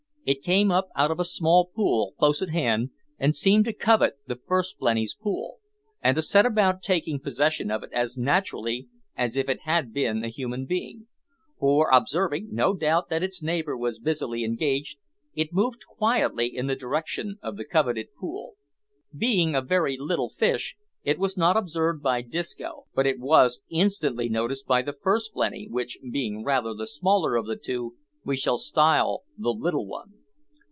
It came up out of a small pool close at hand, and seemed to covet the first blenny's pool, and to set about taking possession of it as naturally as if it had been a human being; for, observing, no doubt, that its neighbour was busily engaged, it moved quietly in the direction of the coveted pool. Being a very little fish, it was not observed by Disco, but it was instantly noticed by the first blenny, which, being rather the smaller of the two, we shall style the Little one.